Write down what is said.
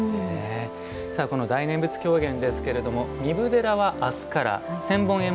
この大念仏狂言ですけれども壬生寺は明日から千本ゑん